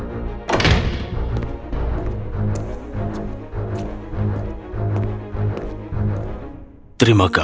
mereka sudah berhasil menangani perang